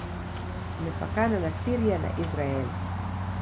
Imepakana na Syria na Israel.